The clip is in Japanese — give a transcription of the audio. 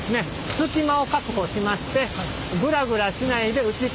隙間を確保しましてグラグラしないで内っ